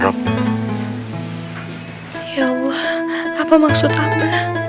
ya allah apa maksudnya